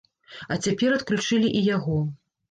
А цяпер адключылі і яго.